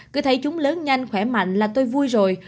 cứ thấy chúng lớn nhanh khỏe mạnh là tôi vui rồi